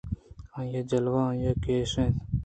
آئی ءِ جلوہ آئیءَ کشان اِنت